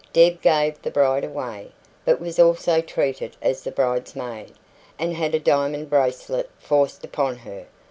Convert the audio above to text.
Deb gave the bride away, but was also treated as the bridesmaid, and had a diamond bracelet forced upon her.